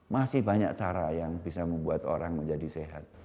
masih banyak cara yang bisa membuat orang menjadi sehat